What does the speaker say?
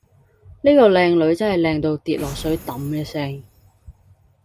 喱個靚女真係靚到跌落水揼一聲